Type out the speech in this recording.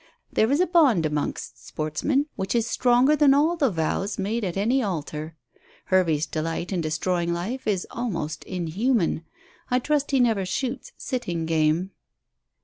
There is a bond amongst sportsmen which is stronger than all the vows made at any altar. Hervey's delight in destroying life is almost inhuman. I trust he never shoots sitting game."